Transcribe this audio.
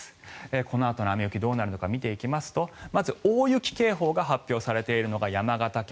このあとの雨雪どうなるのか見ていきますとまず大雪警報が発表されているのが山形県、